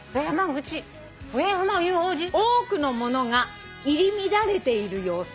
「多くのものが入り乱れているようす」